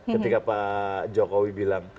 ketika pak jokowi bilang